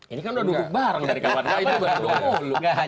ini kan udah duduk bareng dari kapan kapan